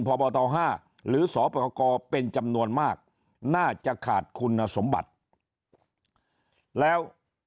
พบต๕หรือสปกรเป็นจำนวนมากน่าจะขาดคุณสมบัติแล้ว